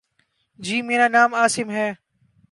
جی، میرا نام عاصم ہے